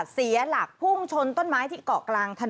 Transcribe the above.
เสียหลักพุ่งชนต้นไม้ที่เกาะกลางถนน